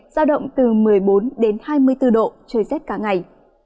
giao động từ một mươi bốn đến hai mươi bốn độ trời rét cả ngày